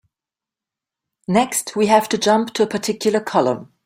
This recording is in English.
Next, we have to jump to a particular column.